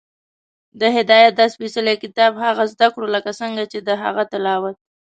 د هدایت دا سپېڅلی کتاب هغسې زده کړو، لکه څنګه چې د هغه تلاوت